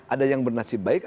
ada yang bernasib baik